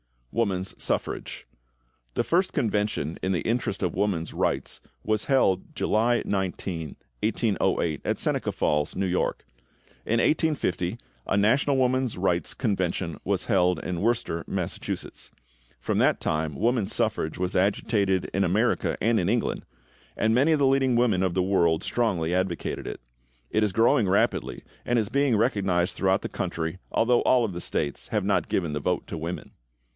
=Woman's Suffrage.= The first convention in the interest of woman's rights was held July 19, 1808, at Seneca Falls, N. Y. In 1850, a National Woman's Rights Convention was held in Worcester, Mass. From that time woman's suffrage was agitated in America and in England, and many of the leading women of the world strongly advocated it. It is growing rapidly, and is being recognized throughout the country, although all of the States have not given the vote to women.